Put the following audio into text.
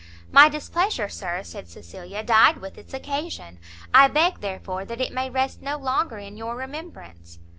"My displeasure, Sir," said Cecilia, "died with its occasion; I beg, therefore, that it may rest no longer in your remembrance."